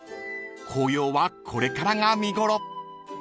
［紅葉はこれからが見頃］